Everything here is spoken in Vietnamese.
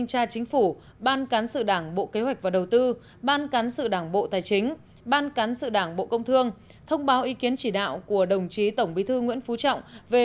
xin chào các bạn